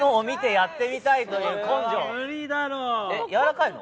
やわらかいの？